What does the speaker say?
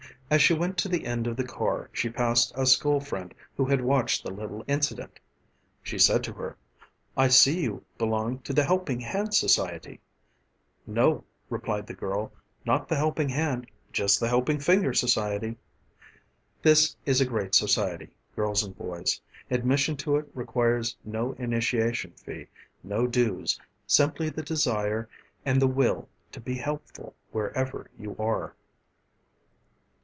As she went to the end of the car she passed a school friend who had watched the little incident. She said to her, "I see you belong to the helping hand society." "No," replied the girl, "not the helping hand, just the helping finger society." This is a great society, girls and boys. Admission to it requires no initiation fee, no dues, simply the desire and the will to be helpful wherever you are.